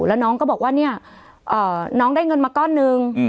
แล้วน้องก็บอกว่าเนี่ยน้องได้เงินมาก้อนหนึ่ง